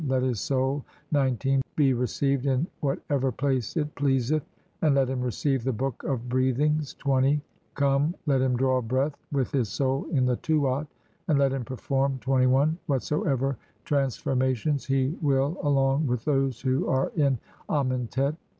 Let his soul (19) be received in whatever "place it pleaseth, and let him receive the Book of "Breathings. (20) Come, let him draw breath with "his soul in the Tuat, and let him perform (21) what soever transformations he will along with those who "are in Amentet.